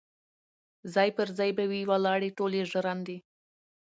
ځاي پر ځای به وي ولاړي ټولي ژرندي